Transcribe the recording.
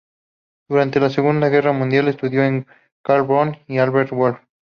Durante la Segunda Guerra Mundial, estudió con Karl Böhm y Albert Wolff.